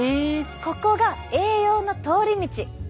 ここが栄養の通り道。